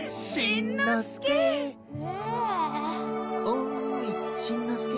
おいしんのすけ。